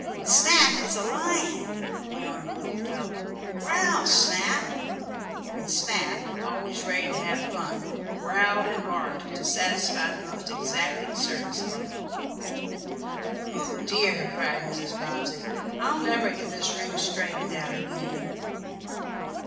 "Snap is a lion," went on the little fellow. "Growl, Snap!" And Snap, always ready to have fun, growled and barked to satisfy the most exacting circus lover. "Oh dear!" cried Mrs. Bobbsey. "I'll never get this room straightened out again."